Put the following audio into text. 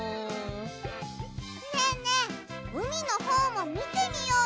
ねえねえうみのほうもみてみようよ！